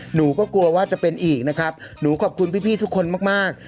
หนูก็กลัวว่าจะเป็นอีกนะครับหนูขอบคุณพี่ทุกคนมากมาก